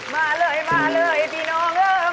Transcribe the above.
มาเลยพี่น้อง